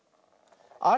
あれ？